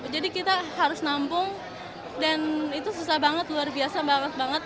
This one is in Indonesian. kita harus nampung dan itu susah banget luar biasa banget